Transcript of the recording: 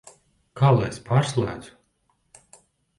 Kā lai es pārslēdzu?